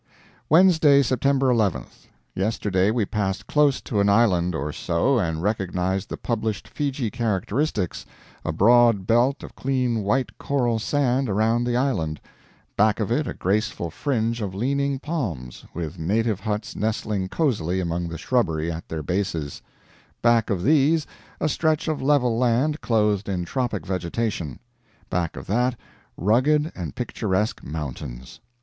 Wednesday, September 11. Yesterday we passed close to an island or so, and recognized the published Fiji characteristics: a broad belt of clean white coral sand around the island; back of it a graceful fringe of leaning palms, with native huts nestling cosily among the shrubbery at their bases; back of these a stretch of level land clothed in tropic vegetation; back of that, rugged and picturesque mountains.